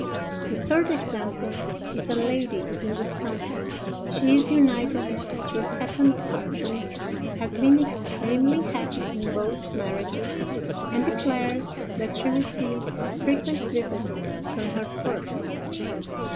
The third example is a lady in this country. She is united to a second husband, has been extremely happy in both marriages, and declares that she receives frequent visits from her first.